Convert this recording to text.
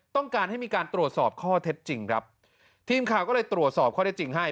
ต้องการให้มีการตรวจสอบข้อเท็จจริงครับทีมข่าวก็เลยตรวจสอบข้อได้จริงให้